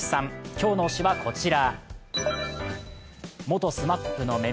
今日の推しはこちら。